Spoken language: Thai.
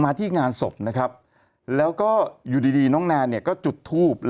ที่งานศพนะครับแล้วก็อยู่ดีน้องแนนเนี่ยก็จุดทูบ